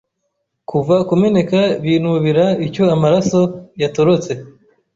Kuva kumeneka binubira icyo amaraso yatorotse